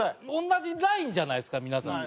同じラインじゃないですか皆さん。